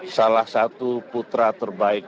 salah satu putra terbaik